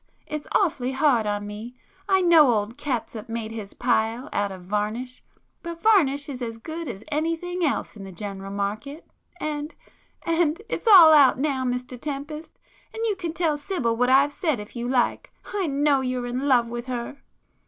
It's awfully hard on me,—I [p 195] know old Catsup made his pile out of varnish, but varnish is as good as anything else in the general market. And——and——it's all out now, Mr Tempest,—and you can tell Sibyl what I've said if you like; I know you're in love with her!"